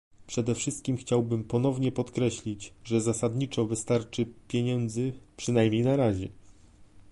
Przede wszystkim chciałbym ponownie podkreślić, że zasadniczo wystarczy pieniędzy, przynajmniej na razie